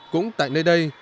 cũng tại nơi đây